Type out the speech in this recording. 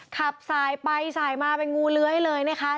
ขับสายไปสายมาเป็นงูเลื้อยเลยนะคะ